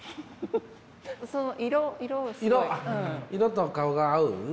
色と顔が合う？